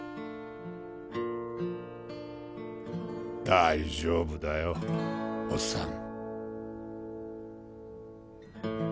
大丈夫だよおっさん